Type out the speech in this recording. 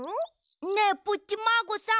ねえプッチマーゴさん！